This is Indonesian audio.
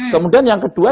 kemudian yang kedua